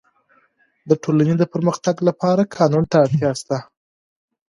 د ټولني د پرمختګ لپاره قانون ته اړتیا سته.